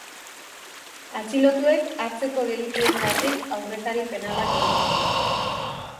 Atxilotuek atzeko delituengatik aurrekari penalak dituzte.